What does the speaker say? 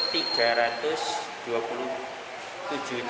kita mengungsi tiga ratus dua puluh